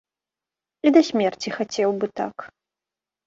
І да смерці хацеў бы так.